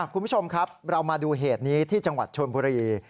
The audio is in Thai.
คุณผู้ชมครับเรามาดูเหตุนี้ที่จังหวัดชนบุรี